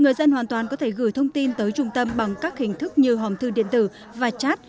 người dân hoàn toàn có thể gửi thông tin tới trung tâm bằng các hình thức như hòm thư điện tử và chat